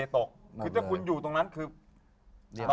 ถ้าคุณอยู่ตรงนั้นคือตกหนาม